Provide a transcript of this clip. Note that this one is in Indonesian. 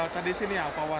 tadi sih ini alphawan